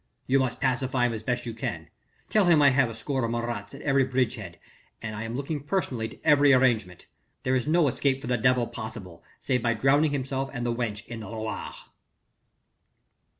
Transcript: "You must pacify him as best you can. Tell him I have a score of Marats at every bridge head and that I am looking personally to every arrangement. There is no escape for the devil possible save by drowning himself and the wench in the Loire."